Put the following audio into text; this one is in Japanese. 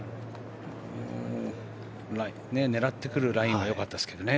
狙ってくるラインは良かったですけどね。